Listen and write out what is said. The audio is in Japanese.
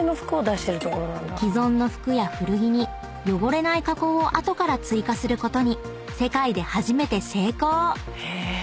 ［既存の服や古着に汚れない加工を後から追加することに世界で初めて成功！］